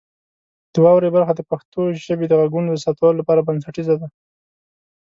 د واورئ برخه د پښتو ژبې د غږونو د ثبتولو لپاره بنسټیزه ده.